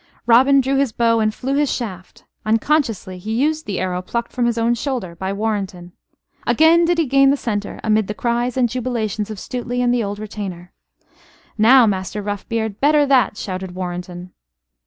Robin drew his bow and flew his shaft. Unconsciously he used the arrow plucked from his own shoulder by Warrenton. Again did he gain the center, amid the cries and jubilations of Stuteley and the old retainer. "Now Master Roughbeard, better that!" shouted Warrenton.